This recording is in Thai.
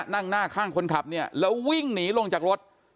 นั่งหน้าข้างคนขับเนี่ยแล้ววิ่งหนีลงจากรถ